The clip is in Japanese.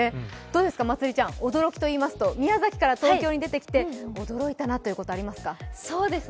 どうですか、まつりちゃん、驚きといいいますと宮崎から東京に出てきて驚いたなということ、ありますか。